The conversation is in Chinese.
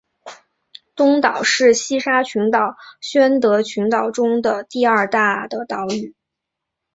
东岛是西沙群岛宣德群岛中的第二大的岛屿。